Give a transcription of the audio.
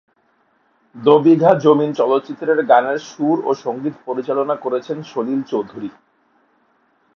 দো বিঘা জমিন চলচ্চিত্রের গানের সুর ও সঙ্গীত পরিচালনা করেছেন সলিল চৌধুরী।